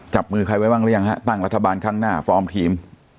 จับมือใครไว้บ้างหรือยังฮะตั้งรัฐบาลข้างหน้าฟอร์มทีม